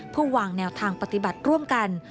วางแนวทางปฏิบัติร่วมกัน